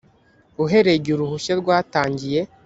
uhereye igihe uruhushya rwatangiye